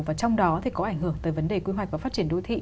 và trong đó thì có ảnh hưởng tới vấn đề quy hoạch và phát triển đô thị